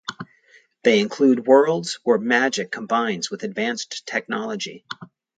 They include worlds where magic combines with advanced technology.